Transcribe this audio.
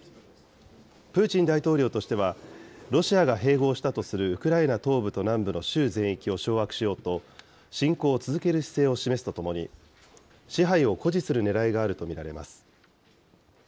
プーチン大統領としては、ロシアが併合したとするウクライナ東部と南部の州全域を掌握しようと、侵攻を続ける姿勢を示すとともに、支配を誇示するねらいがあると見られます。